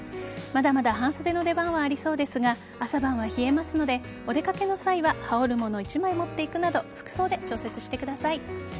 まだまだ半袖の出番はありそうですが朝晩は冷えますのでお出かけの際は羽織るもの一枚持って行くなど服装で調節してください。